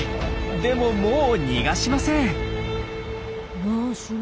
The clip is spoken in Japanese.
でももう逃がしません。